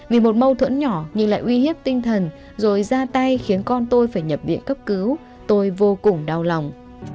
vì một mâu thuẫn nhỏ nhưng lại uy hiếp tinh thần rồi ra tay khiến con tôi phải nhập viện cấp cứu tôi vô cùng đau lòng